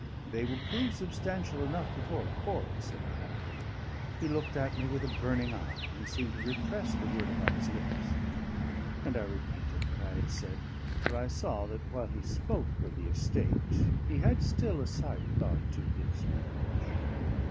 "They will prove substantial enough before a court," said I. He looked at me with a burning eye, and seemed to repress the word upon his lips; and I repented what I had said, for I saw that while he spoke of the estate he had still a side thought to his marriage.